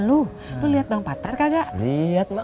lu liat bang patah kagak